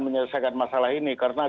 menyelesaikan masalah ini karena